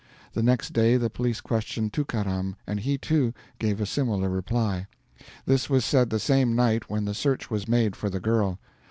The next day the police questioned Tookaram, and he, too, gave a similar reply. This was said the same night when the search was made for the girl.